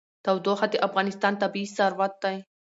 تودوخه د افغانستان طبعي ثروت دی.